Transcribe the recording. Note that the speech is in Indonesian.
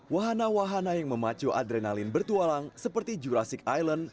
wahana wahana yang memacu adrenalin bertualang seperti jurassic island